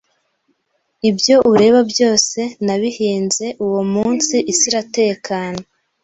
ibyo ureba byose nabihinze uwo munsi isi iratekana